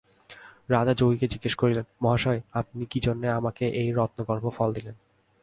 রাজা যোগীকে জিজ্ঞাসা করিলেন, মহাশয় আপনি কী জন্যে আমাকে এই রত্নগর্ভ ফল দিলেন?